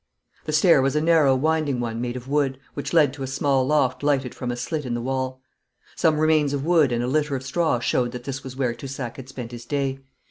The stair was a narrow winding one made of wood, which led to a small loft lighted from a slit in the wall. Some remains of wood and a litter of straw showed that this was where Toussac had spent his day.